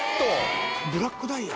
「ブラックダイヤ？」